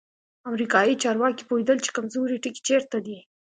امریکایي چارواکي پوهېدل چې کمزوری ټکی چیرته دی.